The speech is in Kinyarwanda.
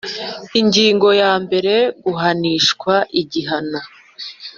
Ingingo ya mbere Guhanishwa igihano